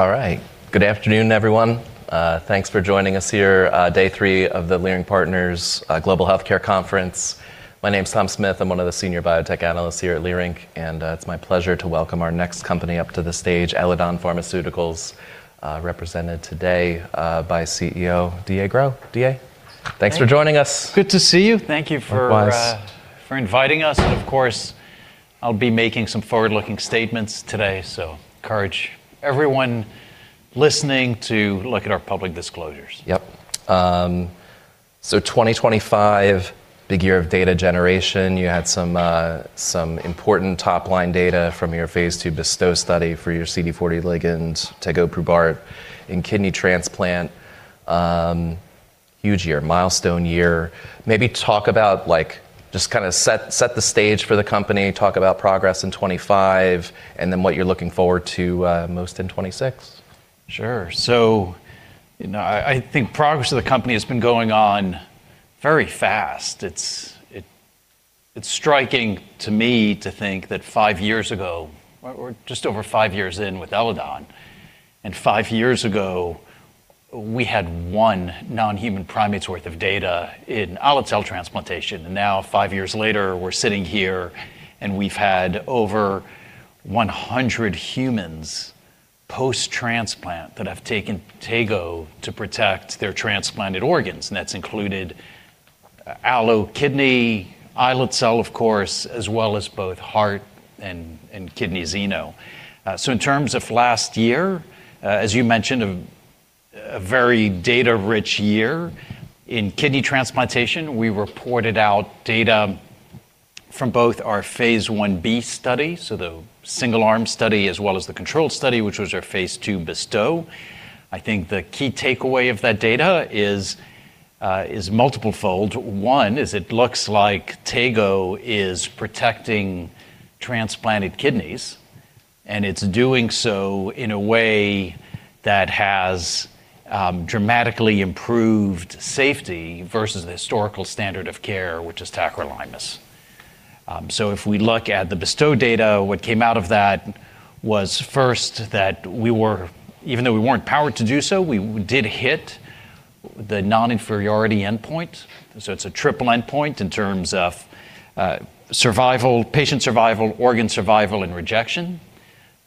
All right. Good afternoon, everyone. Thanks for joining us here, day three of the Leerink Partners Global Healthcare Conference. My name's Thomas Smith. I'm one of the Senior Biotech Analysts here at Leerink, and it's my pleasure to welcome our next company up to the stage, Eledon Pharmaceuticals, represented today by CEO David-Alexandre Gros. David-Alexandre, thanks for joining us. Good to see you. Thank you for... Likewise for inviting us. Of course, I'll be making some forward-looking statements today, so encourage everyone listening to look at our public disclosures. Yep. 2025, big year of data generation. You had some important top-line data from your phase 2 BESTOW study for your CD40 ligand tegoprubart in kidney transplant. Huge year, milestone year. Maybe talk about like just kinda set the stage for the company, talk about progress in 2025, and then what you're looking forward to most in 2026. Sure. You know, I think progress of the company has been going on very fast. It's striking to me to think that five years ago, or just over five years in with Eledon, and five years ago, we had one non-human primate's worth of data in allograft transplantation. Now, five years later, we're sitting here, and we've had over 100 humans post-transplant that have taken tegoprubart to protect their transplanted organs, and that's included allotransplantation kidney, islet cell, of course, as well as both heart and kidney xenotransplantation. In terms of last year, as you mentioned, a very data-rich year. In kidney transplantation, we reported out data from both our phase 1b study, so the single arm study, as well as the controlled study, which was our phase 2 BESTOW. I think the key takeaway of that data is multiple fold. One is it looks like tegoprubart is protecting transplanted kidneys, and it's doing so in a way that has dramatically improved safety versus the historical standard of care, which is tacrolimus. If we look at the BESTOW data, what came out of that was first that even though we weren't powered to do so, we did hit the non-inferiority endpoint. It's a triple endpoint in terms of survival, patient survival, organ survival, and rejection.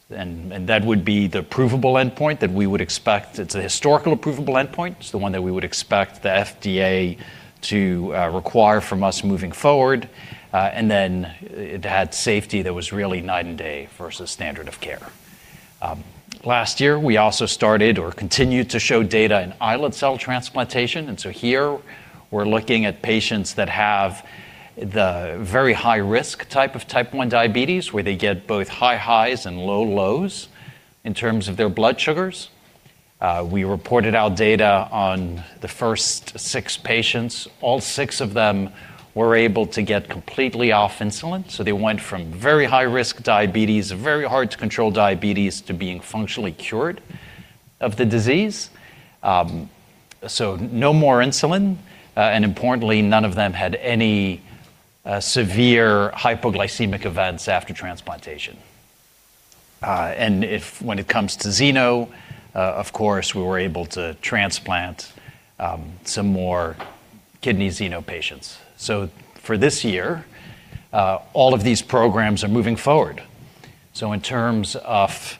That would be the provable endpoint that we would expect. It's a historical provable endpoint. It's the one that we would expect the FDA to require from us moving forward. It had safety that was really night and day versus standard of care. Last year, we also started or continued to show data in islet cell transplantation, here we're looking at patients that have the very high risk type of Type 1 diabetes, where they get both high highs and low lows in terms of their blood sugars. We reported out data on the first six patients. All six of them were able to get completely off insulin, so they went from very high risk diabetes, very hard to control diabetes, to being functionally cured of the disease. No more insulin, and importantly, none of them had any severe hypoglycemic events after transplantation. When it comes to xenotransplantation, of course, we were able to transplant some more kidney xenotransplantation patients. For this year, all of these programs are moving forward. In terms of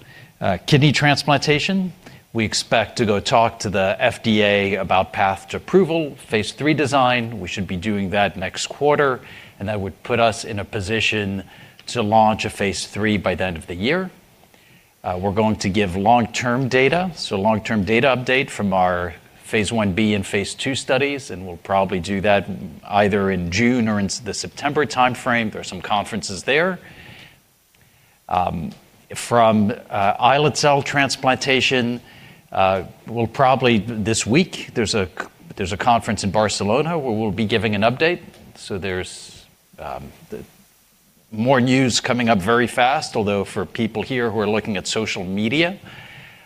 kidney transplantation, we expect to go talk to the FDA about path to approval, phase 3 design. We should be doing that next quarter, and that would put us in a position to launch a phase 3 by the end of the year. We're going to give long-term data, so long-term data update from our phase 1b and phase 2 studies, and we'll probably do that either in June or in the September timeframe. There are some conferences there. From islet cell transplantation, this week there's a conference in Barcelona where we'll be giving an update. There's more news coming up very fast, although for people here who are looking at social media,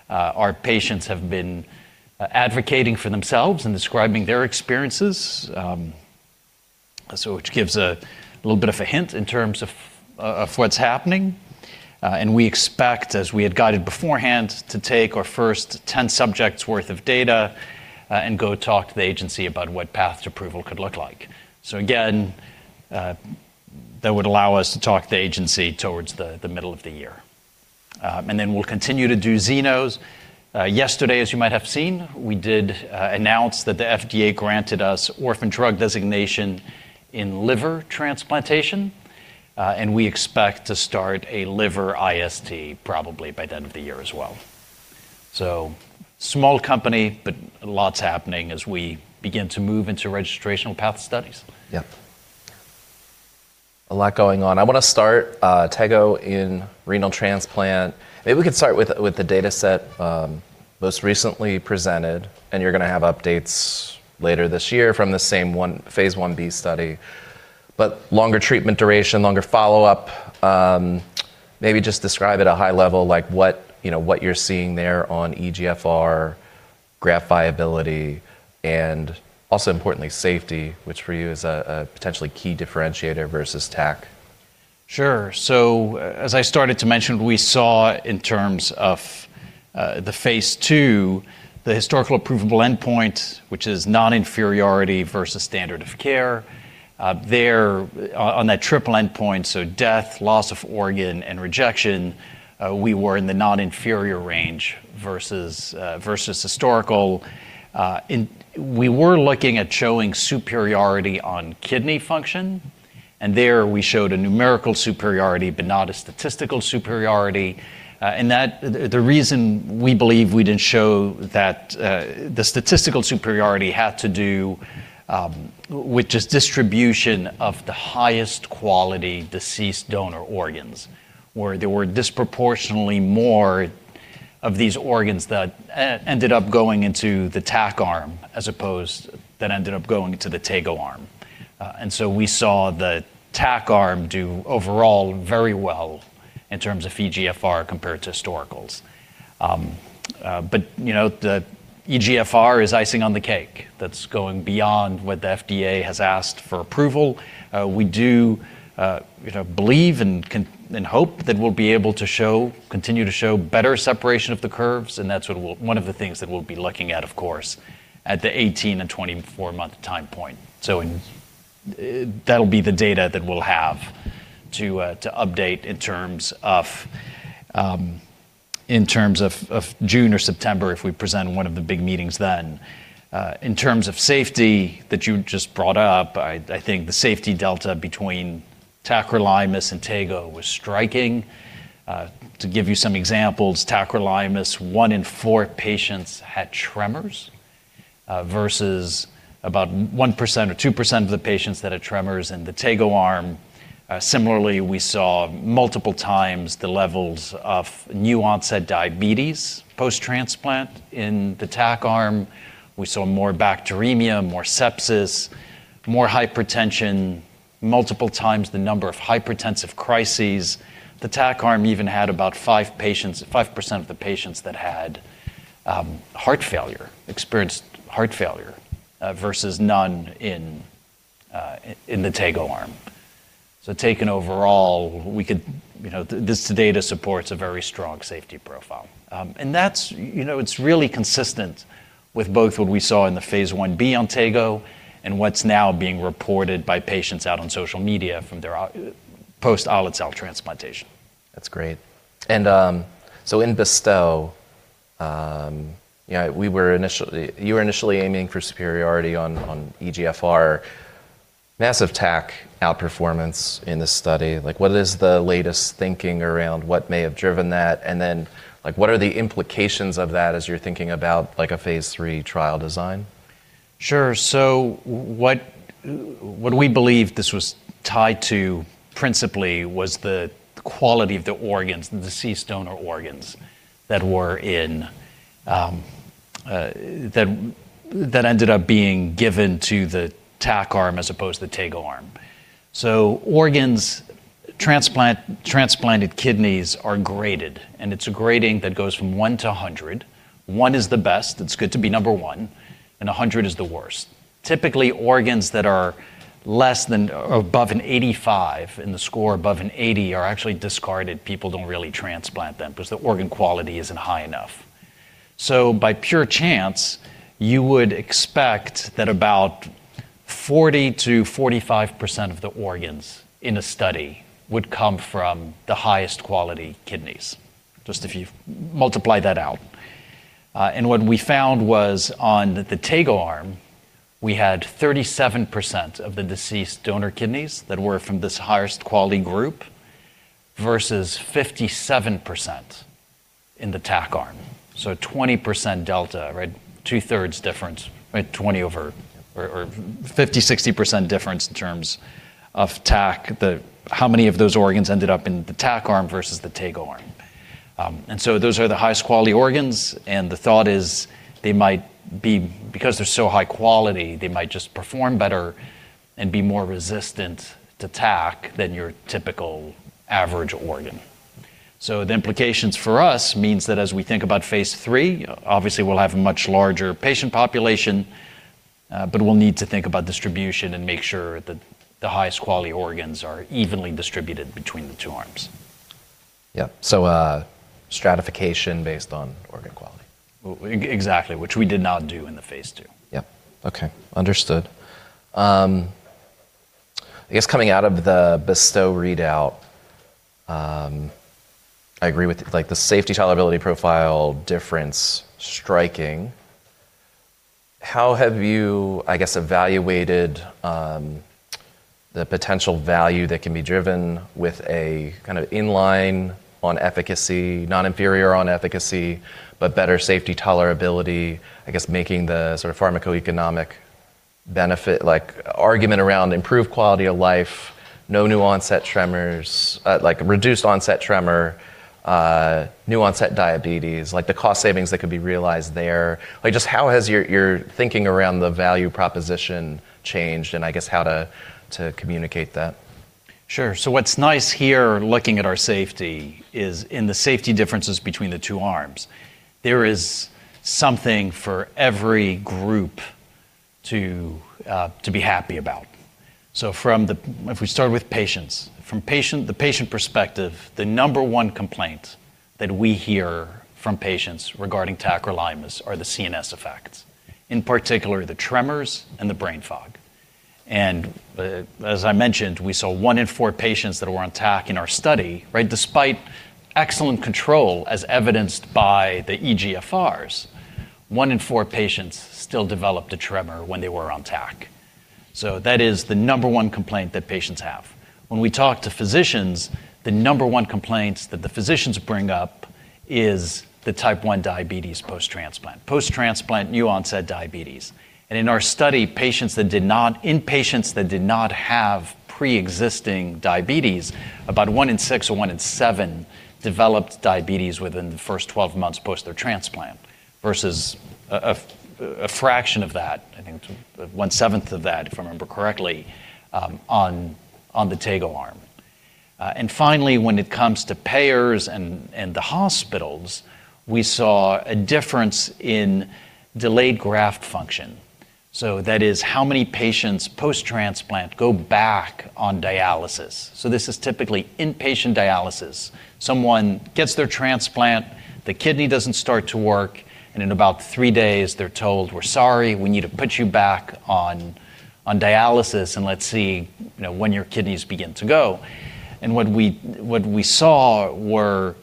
our patients have been advocating for themselves and describing their experiences, which gives a little bit of a hint in terms of what's happening. We expect, as we had guided beforehand, to take our first 10 subjects' worth of data and go talk to the agency about what path to approval could look like. Again, that would allow us to talk to the agency towards the middle of the year. Then we'll continue to do xenotransplantation. Yesterday, as you might have seen, we did announce that the FDA granted us Orphan Drug Designation in liver transplantation, and we expect to start a liver IST probably by the end of the year as well. Small company, but a lot's happening as we begin to move into registrational path studies. Yeah. A lot going on. I wanna start, tegoprubart in renal transplant. Maybe we could start with the dataset most recently presented, and you're gonna have updates later this year from the same one, phase 1b study. Longer treatment duration, longer follow-up, maybe just describe at a high level like what, you know, what you're seeing there on eGFR graft viability and also importantly safety, which for you is a potentially key differentiator versus tacrolimus. Sure. As I started to mention, we saw in terms of the phase 2 the historical approvable endpoint, which is non-inferiority versus standard of care, there on that triple endpoint, so death, loss of organ and rejection, we were in the non-inferior range versus historical. We were looking at showing superiority on kidney function, and there we showed a numerical superiority but not a statistical superiority. The reason we believe we didn't show that the statistical superiority had to do with just distribution of the highest quality deceased donor organs where there were disproportionately more of these organs that ended up going into the tac arm as opposed to that ended up going to the tegoprubart arm. We saw the tac arm do overall very well in terms of eGFR compared to historicals. You know, the eGFR is icing on the cake. That's going beyond what the FDA has asked for approval. We do, you know, believe and hope that we'll be able to show, continue to show better separation of the curves, and that's one of the things that we'll be looking at, of course, at the 18- and 24-month time point. That'll be the data that we'll have to update in terms of June or September if we present in one of the big meetings then. In terms of safety that you just brought up, I think the safety delta between tacrolimus and tegoprubart was striking. To give you some examples, tacrolimus, one in four patients had tremors versus about 1% or 2% of the patients that had tremors in the tegoprubart arm. Similarly, we saw multiple times the levels of new-onset diabetes post-transplant in the tac arm. We saw more bacteremia, more sepsis, more hypertension, multiple times the number of hypertensive crises. The tac arm even had about five patients, 5% of the patients that experienced heart failure versus none in the tegoprubart arm. Taken overall, we could, you know, this data supports a very strong safety profile. That's, you know, it's really consistent with both what we saw in the phase 1b on tegoprubart and what's now being reported by patients out on social media from their post-islet cell transplantation. That's great. So in BESTOW, you know, you were initially aiming for superiority on eGFR, massive tacrolimus outperformance in this study. Like, what is the latest thinking around what may have driven that? Like, what are the implications of that as you're thinking about, like, a phase three trial design? Sure. What we believe this was tied to principally was the quality of the organs, the deceased donor organs that ended up being given to the tac arm as opposed to the tegoprubart arm. Transplanted kidneys are graded, and it's a grading that goes from one - 100. 1 is the best, it's good to be number one, and 100 is the worst. Typically, organs that are above an 85, and the score above an 80 are actually discarded. People don't really transplant them because the organ quality isn't high enough. By pure chance, you would expect that about 40%-45% of the organs in a study would come from the highest quality kidneys, just if you multiply that out. What we found was on the tegoprubart arm, we had 37% of the deceased donor kidneys that were from this highest quality group versus 57% in the tac arm. 20% delta, right? Two-thirds difference, right? 20% over or 50%, 60% difference in terms of tac, the how many of those organs ended up in the tac arm versus the tegoprubart arm. Those are the highest quality organs, and the thought is they might be because they're so high quality, they might just perform better and be more resistant to tac than your typical average organ. The implications for us means that as we think about phase 3, obviously we'll have a much larger patient population, but we'll need to think about distribution and make sure that the highest quality organs are evenly distributed between the two arms. Yeah. Stratification based on organ quality. Exactly, which we did not do in the phase 2. Yeah. Okay. Understood. I guess coming out of the BESTOW readout, I agree with, like, the safety tolerability profile difference striking. How have you, I guess, evaluated the potential value that can be driven with a kind of inline on efficacy, non-inferior on efficacy, but better safety tolerability, I guess making the sort of pharmacoeconomic benefit, like argument around improved quality of life, no new onset tremors, like reduced onset tremor, new onset diabetes, like the cost savings that could be realized there. Like, just how has your thinking around the value proposition changed and I guess how to communicate that? Sure. What's nice here looking at our safety is in the safety differences between the two arms, there is something for every group, too, to be happy about. From the patient perspective, the number one complaint that we hear from patients regarding tacrolimus are the CNS effects, in particular the tremors and the brain fog. The, as I mentioned, we saw one in four patients that were on tacrolimus in our study, right? Despite excellent control, as evidenced by the eGFRs, one in four patients still developed a tremor when they were on tac. That is the number one complaint that patients have. When we talk to physicians, the number one complaints that the physicians bring up is the Type 1 diabetes post-transplant, post-transplant new onset diabetes. In patients that did not have pre-existing diabetes, about one in six or one in seven developed diabetes within the first 12 months post their transplant versus a fraction of that, I think 1/7 of that, if I remember correctly, on the tegoprubart arm. Finally, when it comes to payers and the hospitals, we saw a difference in delayed graft function. That is how many patients post-transplant go back on dialysis. This is typically inpatient dialysis. Someone gets their transplant, the kidney doesn't start to work, and in about three days they're told, "We're sorry, we need to put you back on dialysis, and let's see, you know, when your kidneys begin to go." What we saw were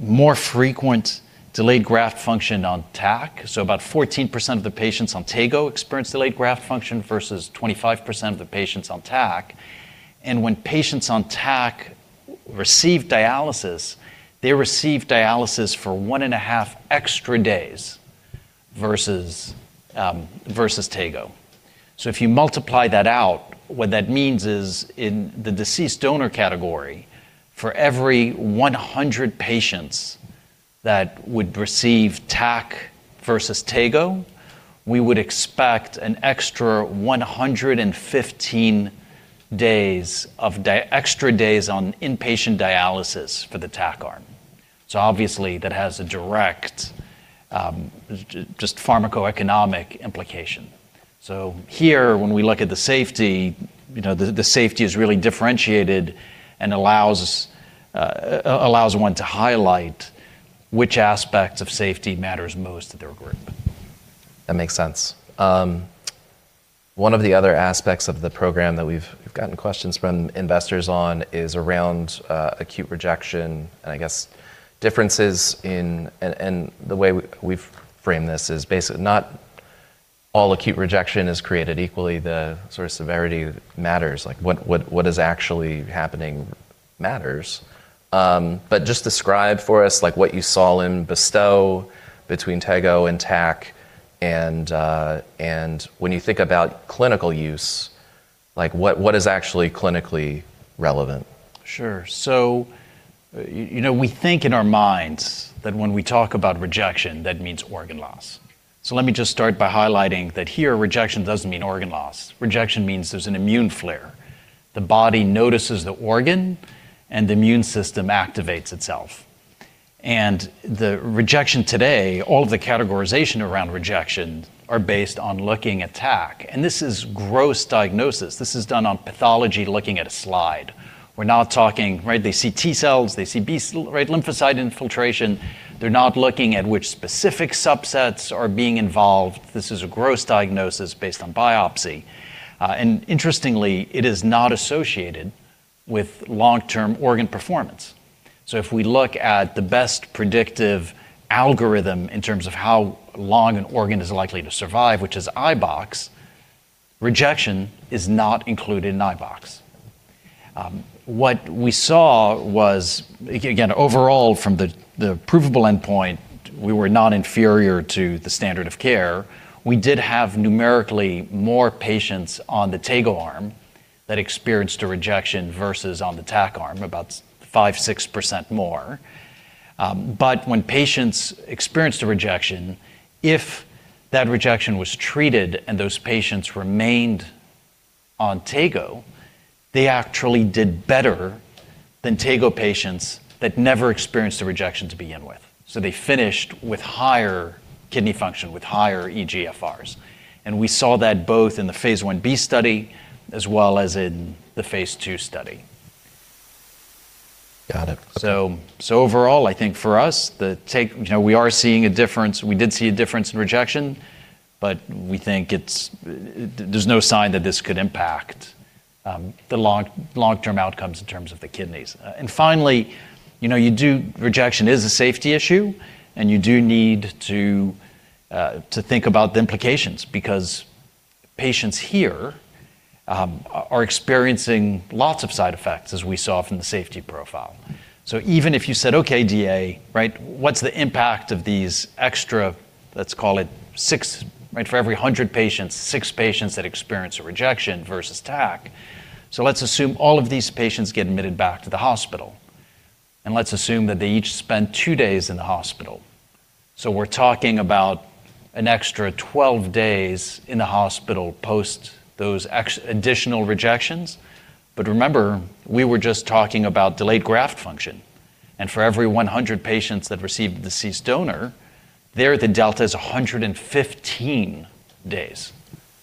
more frequent delayed graft function on tacrolimus. About 14% of the patients on tegoprubart experienced delayed graft function versus 25% of the patients on tacrolimus. When patients on tacrolimus received dialysis, they received dialysis for 1.5 extra days versus tegoprubart. If you multiply that out, what that means is in the deceased donor category, for every 100 patients that would receive tacrolimus versus tegoprubart, we would expect an extra 115 days of extra days on inpatient dialysis for the tac arm. Obviously that has a direct, just pharmacoeconomic implication. Here when we look at the safety, you know, the safety is really differentiated and allows one to highlight which aspect of safety matters most to their group. That makes sense. One of the other aspects of the program that we've gotten questions from investors on is around acute rejection. The way we've framed this is basically not all acute rejection is created equally. The sort of severity matters, like what is actually happening matters. Just describe for us like what you saw in BESTOW between tegoprubart and tacrolimus and when you think about clinical use, like what is actually clinically relevant? Sure. You know, we think in our minds that when we talk about rejection, that means organ loss. Let me just start by highlighting that here rejection doesn't mean organ loss. Rejection means there's an immune flare. The body notices the organ, and the immune system activates itself. The rejection today, all of the categorization around rejection are based on looking at tac. This is gross diagnosis. This is done on pathology looking at a slide. We're not talking, right? They see T cells, they see B cells, right, lymphocyte infiltration. They're not looking at which specific subsets are being involved. This is a gross diagnosis based on biopsy. Interestingly, it is not associated with long-term organ performance. If we look at the best predictive algorithm in terms of how long an organ is likely to survive, which is iBox, rejection is not included in iBox. What we saw was, again, overall, from the primary endpoint, we were not inferior to the standard of care. We did have numerically more patients on the tegoprubart arm that experienced a rejection versus on the tacrolimus arm, about 5%-6% more. When patients experienced a rejection, if that rejection was treated and those patients remained on tegoprubart, they actually did better than tegoprubart patients that never experienced a rejection to begin with. They finished with higher kidney function, with higher eGFRs. We saw that both in the phase 1b study as well as in the phase 2 study. Got it. Overall, I think for us, the take, you know, we are seeing a difference. We did see a difference in rejection, but we think it's. There is no sign that this could impact the long-term outcomes in terms of the kidneys. Finally, you know, rejection is a safety issue, and you need to think about the implications because patients here are experiencing lots of side effects, as we saw from the safety profile. Even if you said, "Okay, David-Alexandre," right? "What's the impact of these extra, let's call it six," right? "For every 100 patients, six patients that experience a rejection versus tacrolimus." Let's assume all of these patients get admitted back to the hospital, and let's assume that they each spend two days in the hospital. We're talking about an extra 12 days in the hospital post those additional rejections. But remember, we were just talking about delayed graft function. For every 100 patients that received the deceased donor, the delta is 115 days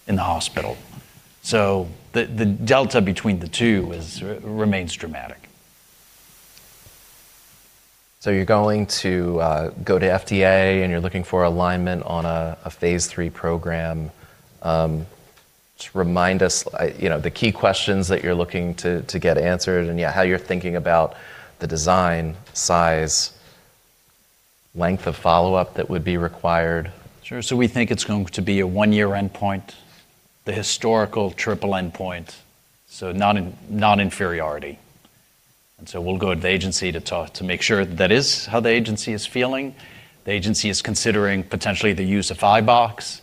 in the hospital. The delta between the two remains dramatic. You're going to go to FDA, and you're looking for alignment on a phase 3 program. Just remind us, you know, the key questions that you're looking to get answered and, yeah, how you're thinking about the design, size, length of follow-up that would be required. Sure. We think it's going to be a one-year endpoint, the historical triple endpoint, so non-inferiority. We'll go to the agency to talk to make sure that is how the agency is feeling. The agency is considering potentially the use of iBox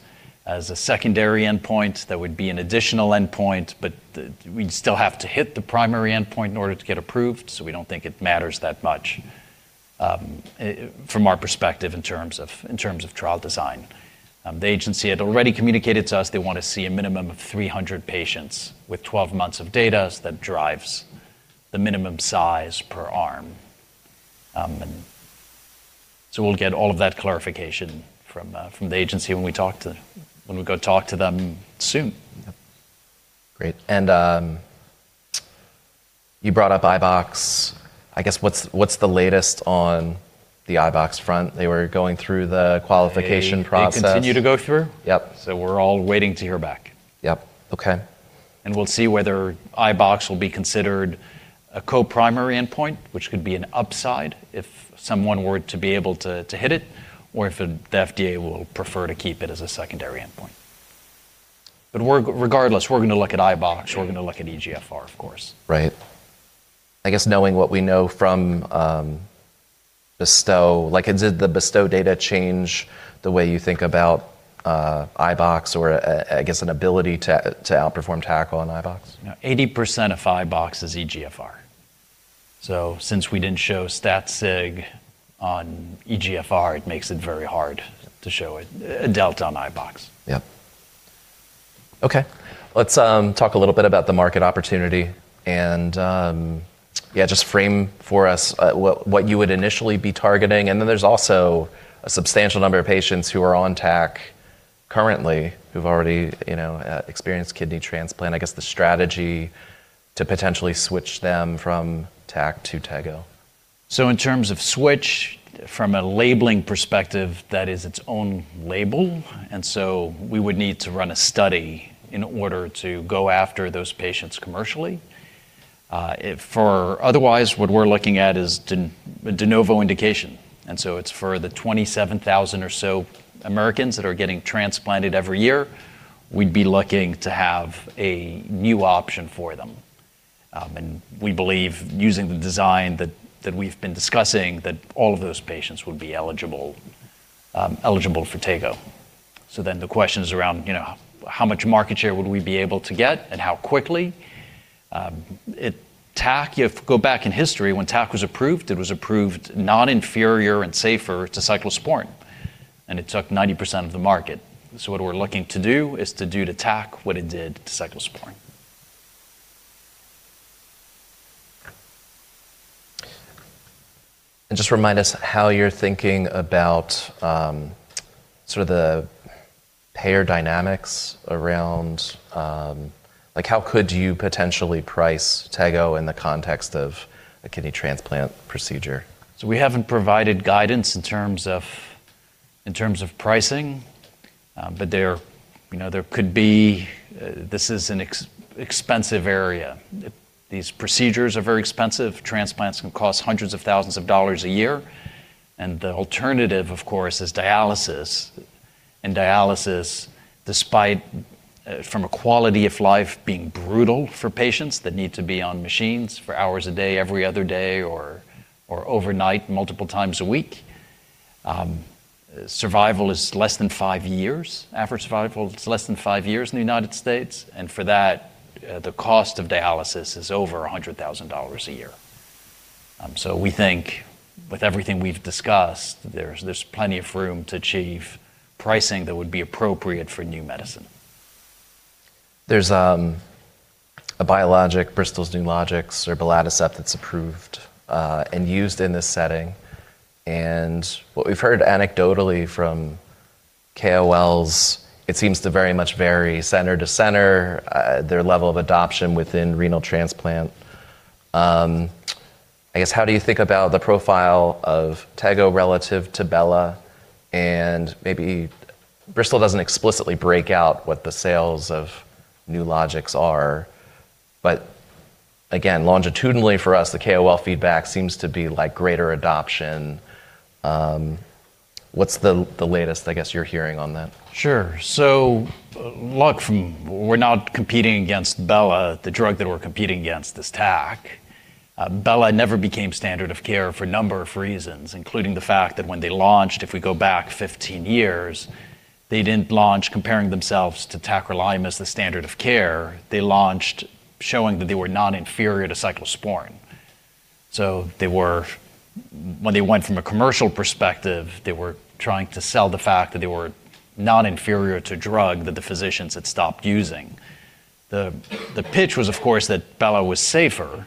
as a secondary endpoint. That would be an additional endpoint, but we'd still have to hit the primary endpoint in order to get approved, so we don't think it matters that much, from our perspective in terms of trial design. The agency had already communicated to us they wanna see a minimum of 300 patients with 12 months of data, so that drives the minimum size per arm. We'll get all of that clarification from the agency when we go talk to them soon. Yep. Great. You brought up iBox. I guess what's the latest on the iBox front? They were going through the qualification process. They continue to go through. Yep. We're all waiting to hear back. Yep. Okay. We'll see whether iBox will be considered a co-primary endpoint, which could be an upside if someone were to be able to hit it, or if the FDA will prefer to keep it as a secondary endpoint. Regardless, we're gonna look at iBox. Yeah. We're gonna look at eGFR, of course. Right. I guess knowing what we know from BESTOW, like did the BESTOW data change the way you think about iBox or I guess an ability to outperform Tac on iBox? No. 80% of iBox is eGFR. Since we didn't show stat sig on eGFR, it makes it very hard to show a delta on iBox. Yep. Okay. Let's talk a little bit about the market opportunity and yeah, just frame for us what you would initially be targeting, and then there's also a substantial number of patients who are on Tac currently who've already you know experienced kidney transplant. I guess the strategy to potentially switch them from tacrolimus to tegoprubart. In terms of switch, from a labeling perspective, that is its own label, and so we would need to run a study in order to go after those patients commercially. Otherwise, what we're looking at is de novo indication, and so it's for the 27,000 or so Americans that are getting transplanted every year, we'd be looking to have a new option for them. We believe using the design that we've been discussing, that all of those patients would be eligible for tegoprubart. The question is around, you know, how much market share would we be able to get and how quickly. Tacrolimus, if you go back in history, when tacrolimus was approved, it was approved non-inferior and safer to cyclosporine, and it took 90% of the market. What we're looking to do is to do to tacrolimus what it did to cyclosporine. Just remind us how you're thinking about sort of the payer dynamics around like how could you potentially price tegoprubart in the context of a kidney transplant procedure? We haven't provided guidance in terms of pricing, but there, you know, there could be. This is an expensive area. These procedures are very expensive. Transplants can cost hundreds of thousands of dollars a year, and the alternative, of course, is dialysis. Dialysis, despite, from a quality of life being brutal for patients that need to be on machines for hours a day, every other day, or overnight multiple times a week, survival is less than five years. Average survival is less than five years in the United States, and for that, the cost of dialysis is over $100,000 a year. We think with everything we've discussed, there's plenty of room to achieve pricing that would be appropriate for new medicine. There's a biologic, Bristol Myers Squibb's Nulojix or belatacept, that's approved and used in this setting. What we've heard anecdotally from KOLs, it seems to very much vary center to center, their level of adoption within renal transplant. I guess how do you think about the profile of tegoprubart relative to Bela? Maybe Bristol doesn't explicitly break out what the sales of Nulojix are, but again, longitudinally for us, the KOL feedback seems to be like greater adoption. What's the latest, I guess, you're hearing on that? Sure. We're not competing against belatacept. The drug that we're competing against is tacrolimus. Belatacept never became standard of care for a number of reasons, including the fact that when they launched, if we go back 15 years, they didn't launch comparing themselves to tacrolimus, the standard of care. They launched showing that they were non-inferior to cyclosporine. They were when they went from a commercial perspective, they were trying to sell the fact that they were non-inferior to a drug that the physicians had stopped using. The pitch was, of course, that belatacept was safer,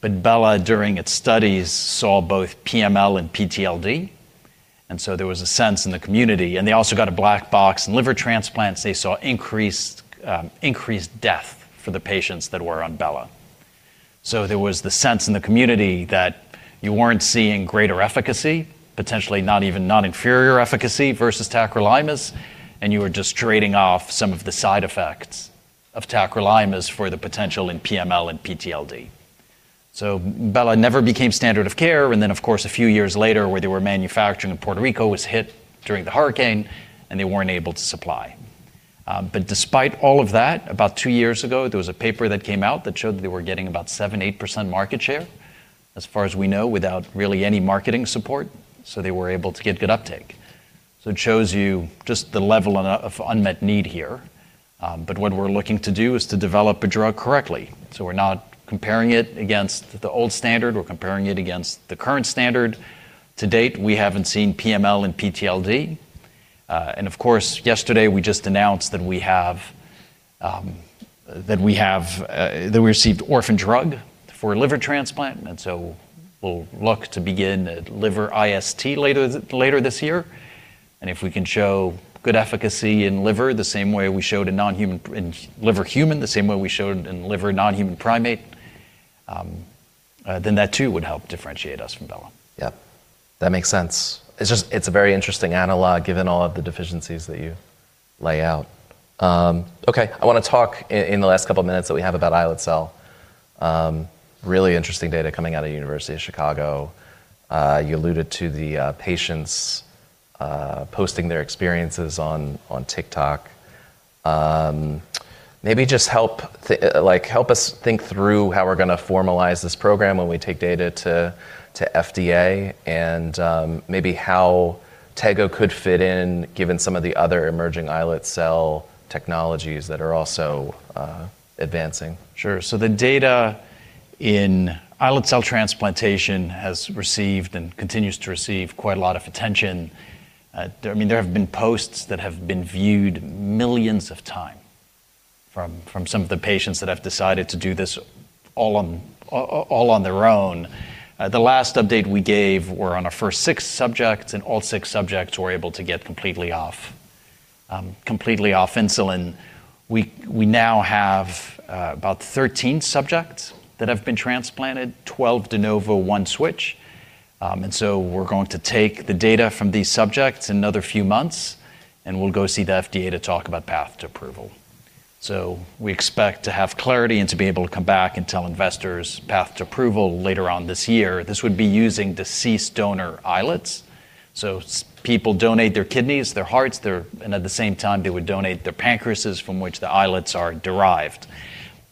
but belatacept, during its studies, saw both PML and PTLD, and so there was a sense in the community. They also got a black box. In liver transplants, they saw increased death for the patients that were on belatacept. There was the sense in the community that you weren't seeing greater efficacy, potentially not even non-inferior efficacy versus tacrolimus, and you were just trading off some of the side effects of tacrolimus for the potential in PML and PTLD. Belatacept never became standard of care, and then, of course, a few years later, where they were manufacturing in Puerto Rico was hit during the hurricane, and they weren't able to supply. Despite all of that, about two years ago, there was a paper that came out that showed that they were getting about 7%-8% market share, as far as we know, without really any marketing support. They were able to get good uptake. It shows you just the level of unmet need here. What we're looking to do is to develop a drug correctly. We're not comparing it against the old standard, we're comparing it against the current standard. To date, we haven't seen PML and PTLD. Of course, yesterday we just announced that we received Orphan Drug for liver transplant, so we'll look to begin a liver IST later this year. If we can show good efficacy in liver the same way we showed in human liver, the same way we showed in non-human primate liver, then that too would help differentiate us from belatacept. Yeah. That makes sense. It's just, it's a very interesting analog given all of the deficiencies that you lay out. Okay. I wanna talk in the last couple of minutes that we have about islet cell. Really interesting data coming out of University of Chicago. You alluded to the patients posting their experiences on TikTok. Maybe just, like, help us think through how we're gonna formalize this program when we take data to FDA and maybe how tegoprubart could fit in given some of the other emerging islet cell technologies that are also advancing. Sure. The data in islet cell transplantation has received and continues to receive quite a lot of attention. I mean, there have been posts that have been viewed millions of times from some of the patients that have decided to do this all on their own. The last update we gave were on our first six subjects, and all six subjects were able to get completely off insulin. We now have about 13 subjects that have been transplanted, 12 de novo, one switch. We're going to take the data from these subjects in another few months, and we'll go see the FDA to talk about path to approval. We expect to have clarity and to be able to come back and tell investors path to approval later on this year. This would be using deceased donor islets. People donate their kidneys, their hearts, and at the same time, they would donate their pancreases from which the islets are derived.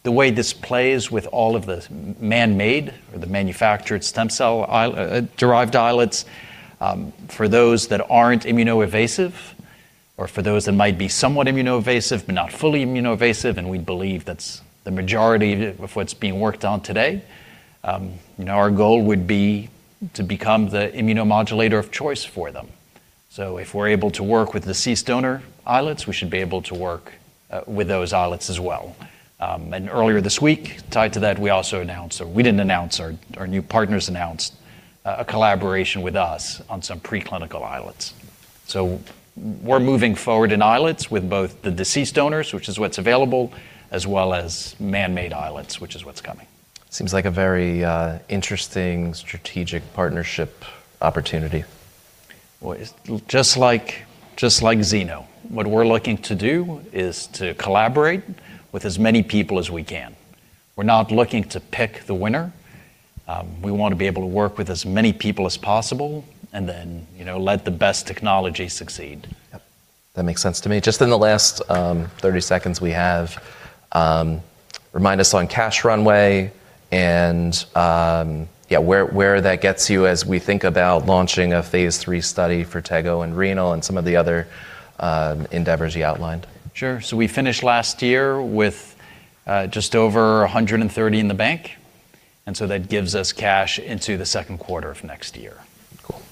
The way this plays with all of the man-made or the manufactured stem cell-derived islets, for those that aren't immunoevasive or for those that might be somewhat immunoevasive, but not fully immunoevasive, and we believe that's the majority of what's being worked on today, you know, our goal would be to become the immunomodulator of choice for them. If we're able to work with deceased donor islets, we should be able to work with those islets as well. Earlier this week, tied to that, we also announced. We didn't announce. Our new partners announced a collaboration with us on some preclinical islets. We're moving forward in islets with both the deceased donors, which is what's available, as well as man-made islets, which is what's coming. Seems like a very, interesting strategic partnership opportunity. Well, it's just like xenotransplantation, what we're looking to do is to collaborate with as many people as we can. We're not looking to pick the winner. We wanna be able to work with as many people as possible and then, you know, let the best technology succeed. Yep. That makes sense to me. Just in the last 30 seconds we have, remind us on cash runway and, yeah, where that gets you as we think about launching a phase 3 study for tegoprubart and Renal and some of the other endeavors you outlined. Sure. We finished last year with just over $130 in the bank, and so that gives us cash into the second quarter of next year. Cool.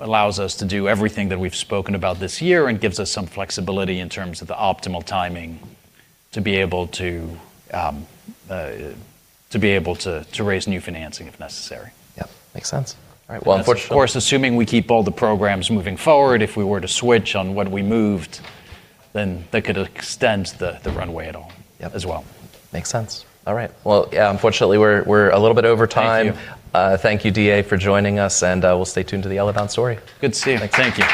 Allows us to do everything that we've spoken about this year and gives us some flexibility in terms of the optimal timing to be able to raise new financing if necessary. Yep. Makes sense. All right. Well, unfortunately. Of course, assuming we keep all the programs moving forward, if we were to switch on when we moved, then that could extend the runway at all. Yep as well. Makes sense. All right. Well, yeah, unfortunately, we're a little bit over time. Thank you. Thank you, David-Alexandre, for joining us, and we'll stay tuned to the Eledon story. Good to see you. Thank you.